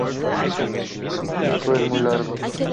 Su pico es muy largo.